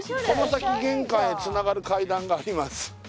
「この先玄関へつながる階段があります」